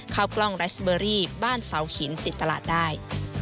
ข้าวกล้องไรสเบอรี่บ้านเสาหินติดตลาดได้